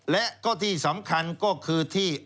และก็ที่สำคัญก็คือที่